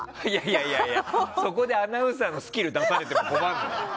いやいやそこでアナウンサーのスキル出されても困るのよ。